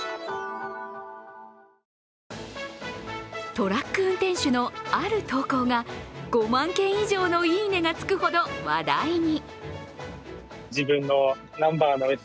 トラック運転手のある投稿が５万件以上のいいねがつくほど話題に。